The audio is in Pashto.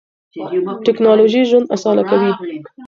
ټیکنالوژي ژوند اسانه کوي.